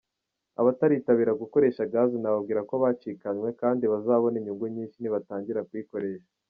Abataritabira gukoresha gaz nababwira ko bacikanywe, kandi ko bazabona inyungu nyinshi nibatangira kuyikoresha.